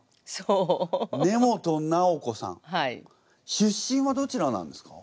出身はどちらなんですか？